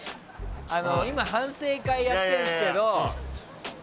今、反省会やってるんですけど。